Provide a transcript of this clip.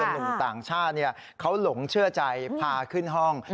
หนุ่มต่างชาติเขาหลงเชื่อใจพาขึ้นห้อง